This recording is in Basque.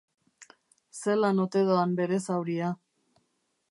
Zelan ote doan bere zauria.